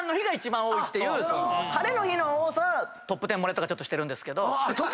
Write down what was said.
晴れの日の多さはトップ１０漏れしてるんですけど。